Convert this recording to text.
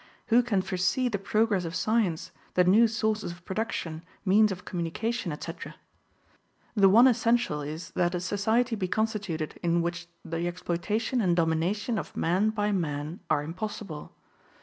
Who can foresee the progress of science, the new sources of production, means of communication, etc.? The one essential is that a society be constituted in which the exploitation and domination of man by man are impossible.